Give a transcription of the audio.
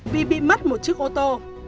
vì bị mất một chiếc ô tô